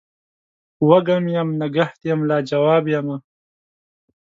وږم یم نګهت یم لا جواب یمه